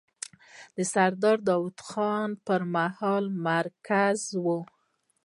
دا د سردار داوود خان پر مهال مرکز و.